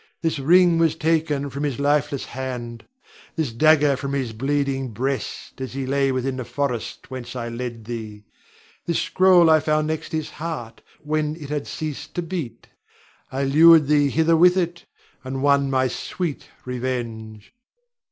This ring was taken from his lifeless hand; this dagger from his bleeding breast, as he lay within the forest whence I led thee. This scroll I found next his heart when it had ceased to beat. I lured thee hither with it, and won my sweet revenge.